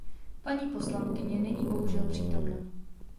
Paní poslankyně není bohužel přítomna.